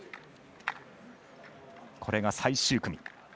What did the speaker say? これが最終組。